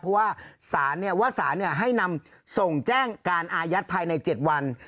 เพราะว่าสารว่าสารให้นำส่งแจ้งการอายัดภายใน๗วัน